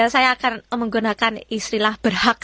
saya akan menggunakan istilah berhak